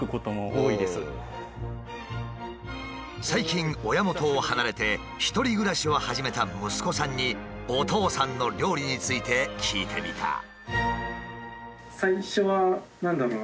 最近親元を離れて１人暮らしを始めた息子さんにお父さんの料理について聞いてみた。